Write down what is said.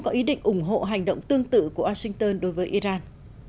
có ý định ủng hộ hành động tương tự của washington đối với iran